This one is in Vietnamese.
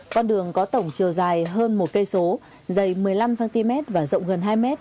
con đường có tổng chiều dài hơn một cây số dày một mươi năm cm và rộng gần hai m